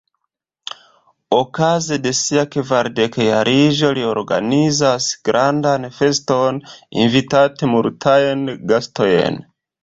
Okaze de sia kvardekjariĝo li organizas grandan feston, invitante multajn gastojn.